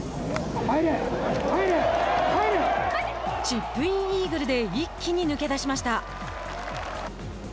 チップインイーグルで一気に抜け出しました。